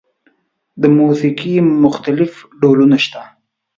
د موسیقۍ مختلف ډولونه شته.